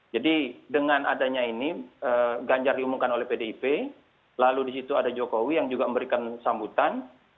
jadi dengan adanya ini ganjar diumumkan oleh pdip lalu di situ ada jokowi yang juga memberikan sambutan